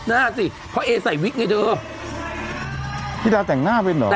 น่าสิเพราะเอ้ยใส่วิคไงเจ้า